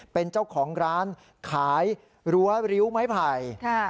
เป็นเจ้าของร้านขายรั้วริ้วไม้ไผ่